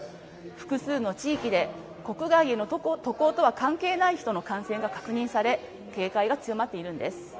複数の地域で国外への渡航とは関係ない人の感染が確認され警戒が強まっているんです。